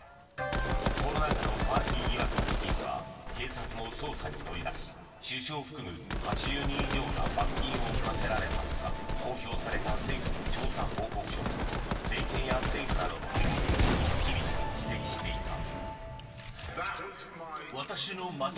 コロナ禍のパーティー疑惑については警察も捜査に乗り出し首相を含む８０人以上が罰金を科せられたほか公表された政府の調査報告書も政権や政府などの責任を厳しく指摘していた。